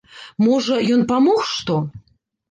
Можа, ён памог што?